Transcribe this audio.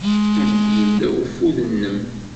Amek yella ufud-nnem?